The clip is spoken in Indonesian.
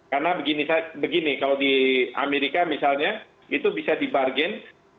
karena begini kalau di amerika misalnya itu bisa dibargin